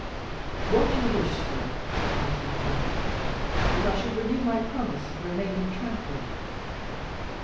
"What do you wish, sir?" asked Morrel; "that I should renew my promise of remaining tranquil?"